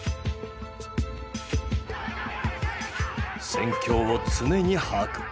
戦況を常に把握。